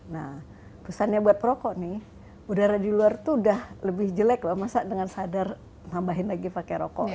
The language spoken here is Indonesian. nah pesannya buat perokok nih udara di luar itu udah lebih jelek loh masa dengan sadar nambahin lagi pakai rokok